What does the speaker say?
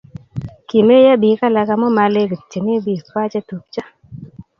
kimeiyo biik alak amu malekitjini biikwak che tupcho